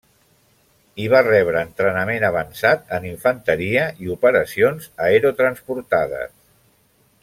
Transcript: Hi va rebre entrenament avançat en infanteria i operacions aerotransportades.